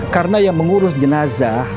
karena yang mengurus jenazah